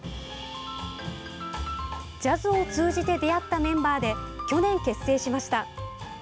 ジャズを通じて出会ったメンバーで去年、結成しました。